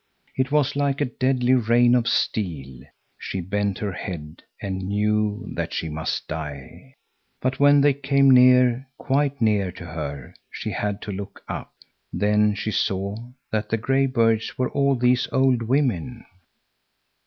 It was like a deadly rain of steel. She bent her head and knew that she must die. But when they came near, quite near to her, she had to look up. Then she saw that the gray birds were all these old women.